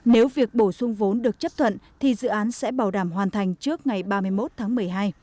nếu việc bổ sung vốn được chấp thuận thì dự án sẽ bảo đảm hoàn thành trước ngày ba mươi một tháng một mươi hai